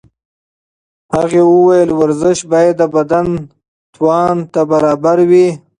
هغې وویل ورزش باید د بدن توان ته برابر وي.